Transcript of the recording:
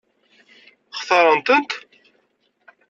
Xtaṛen-tent?